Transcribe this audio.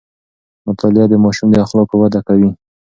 مطالعه د ماشوم د اخلاقو وده کوي.